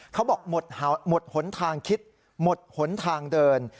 เขาบอกหมดหนทางคิดหมดหนทางเดิน